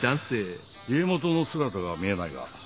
家元の姿が見えないが？